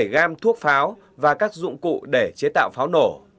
bảy gam thuốc pháo và các dụng cụ để chế tạo pháo nổ